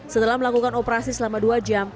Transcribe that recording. setelah melakukan operasi selama dua jam